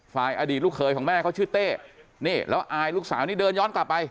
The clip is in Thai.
อดีตลูกเขยของแม่เขาชื่อเต้นี่แล้วอายลูกสาวนี่เดินย้อนกลับไป